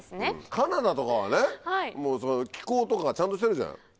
カナダとかはね気候とかがちゃんとしてるじゃん。